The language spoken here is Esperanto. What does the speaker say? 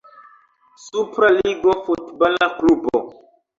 Supra Ligo futbala klubo.